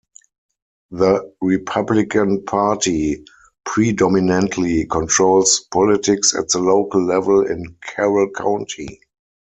The Republican Party predominantly controls politics at the local level in Carroll County.